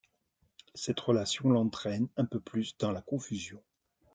Cette relation l'entraîne un peu plus dans la confusion.